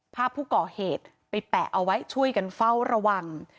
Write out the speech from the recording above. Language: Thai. ภาพผู้ก่อเหตุไปแปะเอาไว้ช่วยกันเฝ้าระวัง